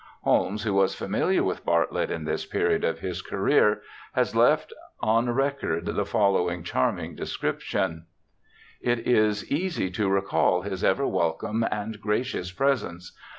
Holmes, who was familiar with Bartlett in this period of his career, has left on record the following charming description :' It is easy to recall his ever welcome and gracious presence.